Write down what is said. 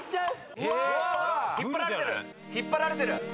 引っ張られてる！